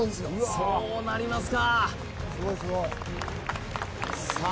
そうなりますかさあ